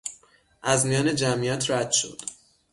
از میان جمعیت رد شد.